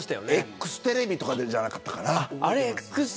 ＥＸテレビとかじゃなかったかな。